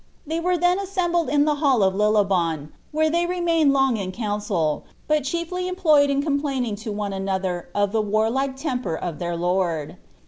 They were then assembled in the hall of Lillebon, where they remained long in council, but chieQy employed in complaining to one another of tlie warlike temper of their lord.